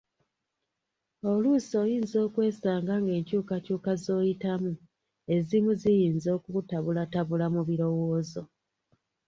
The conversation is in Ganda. Oluusi oyinza okwesanga ng'enkyukakyuka z'oyitamu ezimu ziyinza okukutabulatabula mu birowoozo